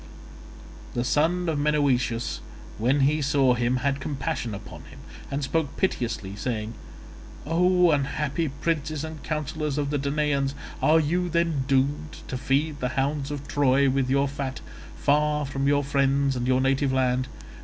The son of Menoetius when he saw him had compassion upon him and spoke piteously saying, "O unhappy princes and counsellors of the Danaans, are you then doomed to feed the hounds of Troy with your fat, far from your friends and your native land?